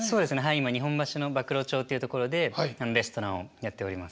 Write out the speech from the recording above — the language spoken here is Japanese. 今日本橋の馬喰町っていうところでレストランをやっております。